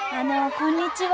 こんにちは。